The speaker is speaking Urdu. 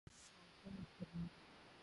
آنکھوں میں پھرنا